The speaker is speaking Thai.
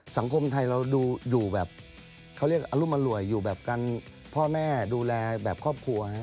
สังคมไทยเราดูอยู่แบบเขาเรียกอรุมอร่วยอยู่แบบกันพ่อแม่ดูแลแบบครอบครัวครับ